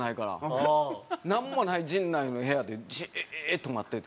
なんもない陣内の部屋でジーッと待ってて。